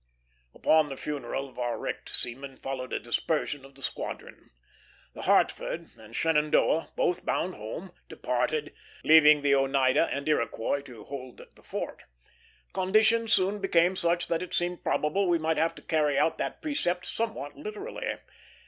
Upon the funeral of our wrecked seamen followed a dispersion of the squadron. The Hartford and Shenandoah, both bound home, departed, leaving the Oneida and Iroquois to "hold the fort." Conditions soon became such that it seemed probable we might have to carry out that precept somewhat literally.